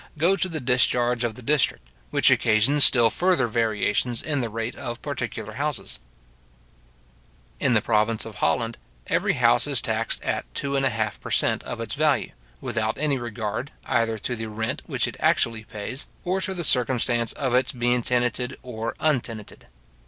go to the discharge of the district, which occasions still further variations in the rate of particular houses. In the province of Holland, {Memoires concernant les Droits, etc. p. 223.} every house is taxed at two and a half per cent. of its value, without any regard, either to the rent which it actually pays, or to the circumstance of its being tenanted or untenanted.